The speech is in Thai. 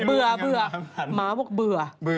เบื่อเบื่อเบื่อ